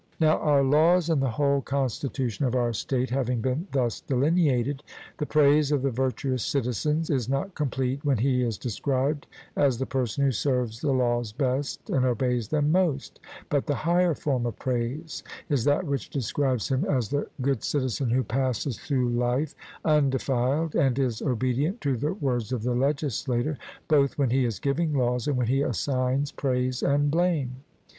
Now, our laws and the whole constitution of our state having been thus delineated, the praise of the virtuous citizen is not complete when he is described as the person who serves the laws best and obeys them most, but the higher form of praise is that which describes him as the good citizen who passes through life undefiled and is obedient to the words of the legislator, both when he is giving laws and when he assigns praise and blame.